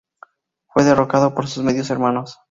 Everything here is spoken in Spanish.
Fue derrocado por sus medios hermanos.